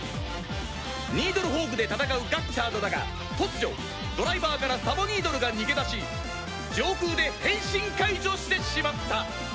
ニードルホークで戦うガッチャードだが突如ドライバーからサボニードルが逃げ出し上空で変身解除してしまった